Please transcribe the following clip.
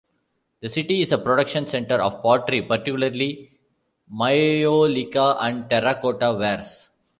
The city is a production center of pottery, particularly maiolica and terra-cotta wares.